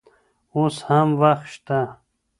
اوس هم وخت شته.